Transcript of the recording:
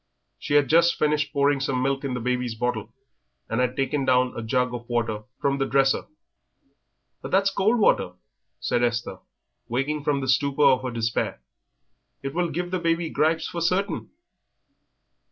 She had just finished pouring some milk in the baby's bottle and had taken down a jug of water from the dresser. "But that's cold water," said Esther, waking from the stupor of her despair; "it will give the baby gripes for certain."